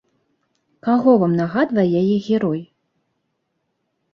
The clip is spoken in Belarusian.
Каго вам нагадвае яе герой?